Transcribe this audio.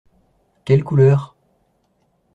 Quelle couleur ?